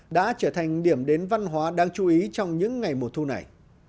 đã trở thành điểm đến văn hóa đáng chú ý trong những ngày mùa thu này